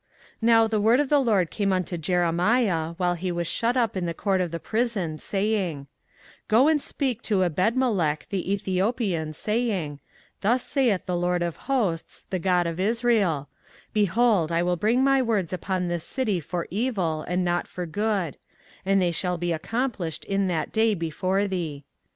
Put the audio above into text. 24:039:015 Now the word of the LORD came unto Jeremiah, while he was shut up in the court of the prison, saying, 24:039:016 Go and speak to Ebedmelech the Ethiopian, saying, Thus saith the LORD of hosts, the God of Israel; Behold, I will bring my words upon this city for evil, and not for good; and they shall be accomplished in that day before thee.